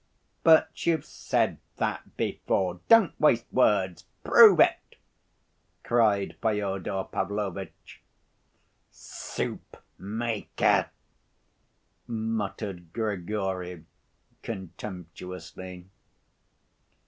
"But you've said that before. Don't waste words. Prove it," cried Fyodor Pavlovitch. "Soup‐maker!" muttered Grigory contemptuously.